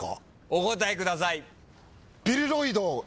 お答えください。